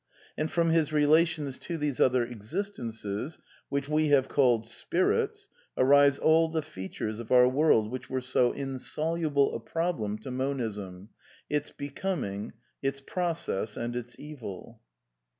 And from His relations to these other existences, which we have called spirits (chap. ix. § 31) arise all the features of our world which were so insoluble a problem to Monism — its Becoming, its process, and its Evil."